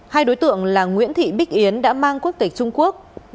hai đối tượng là nguyễn thị bích yến đã mang quốc tịch trung quốc